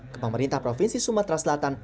ke pemerintah provinsi sumatera selatan